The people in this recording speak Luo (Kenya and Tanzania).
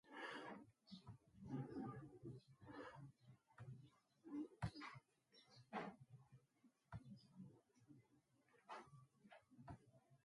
To marieba?